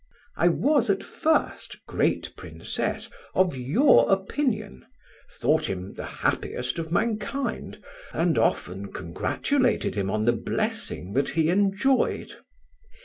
I was at first, great Princess, of your opinion, thought him the happiest of mankind, and often congratulated him on the blessing that he enjoyed.